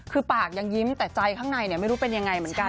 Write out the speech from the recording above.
คือปากยังยิ้มแต่ใจข้างในไม่รู้เป็นยังไงเหมือนกัน